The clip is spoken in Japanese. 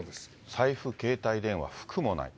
財布、携帯電話、服もない。